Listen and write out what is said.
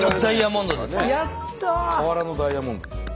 河原のダイヤモンドです。